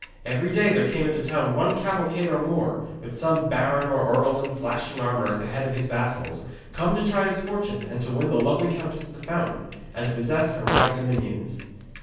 Every day there came into the town one cavalcade or more, with some baron or earl in flashing armour at the head of his vassals, come to try his fortune and to win the lovely Countess of the Fountain, and to possess her wide dominions.